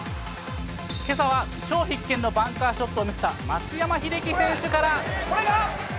けさは超必見のバンカーショットを見せた松山英樹選手から。